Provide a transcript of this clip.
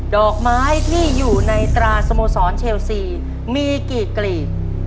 ดอกไม้ที่อยู่ในตราสโมสรเชลซีมีกี่กลีบ